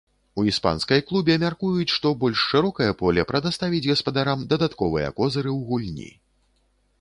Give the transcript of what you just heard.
У іспанскай клубе мяркуюць, што больш шырокае поле прадаставіць гаспадарам дадатковыя козыры ў гульні.